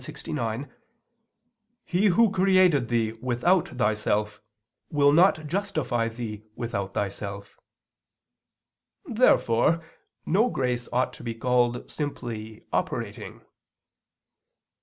clxix): "He Who created thee without thyself, will not justify thee without thyself." Therefore no grace ought to be called simply operating.